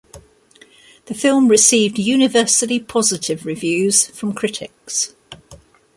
The film received universally positive reviews from critics.